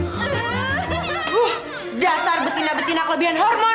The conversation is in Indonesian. uh dasar betina betina kelebihan hormon